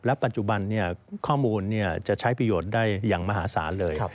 ปัจจุบันข้อมูลจะใช้ประโยชน์ได้อย่างมหาศาลเลย